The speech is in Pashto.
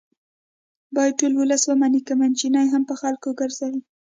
باید ټول ولس ومني که میچنې هم په خلکو ګرځوي